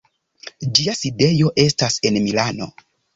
Ĝia sidejo estas en Milano.